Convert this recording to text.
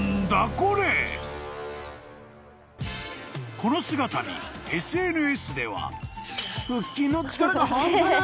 ［この姿にＳＮＳでは］